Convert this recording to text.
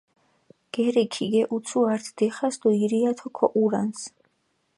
გერი ქიგეჸუცუ ართ დიხას დო ირიათო ქოჸურანს.